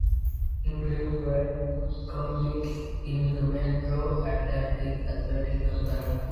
In crew, Drake competes in the Metro Atlantic Athletic Conference.